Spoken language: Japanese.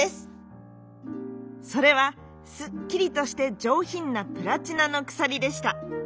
それはすっきりとしてじょうひんなプラチナのくさりでした。